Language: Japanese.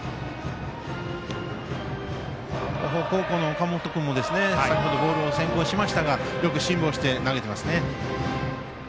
岡本君もボールが先行しましたがよく辛抱して、投げていますね。